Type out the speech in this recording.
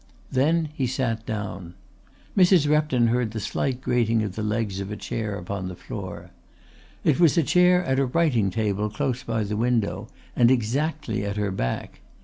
Then he sat down. Mrs. Repton heard the slight grating of the legs of a chair upon the floor. It was a chair at a writing table close by the window and exactly at her back.